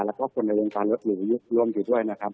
และคนในวงการรถดูดร่วมอยู่ด้วย